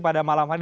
pada malam tadi